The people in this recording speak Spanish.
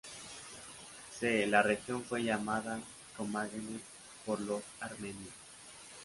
C la región fue llamada Comagene por los Armenios.